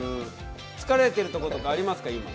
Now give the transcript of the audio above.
疲れてるところとかありますか？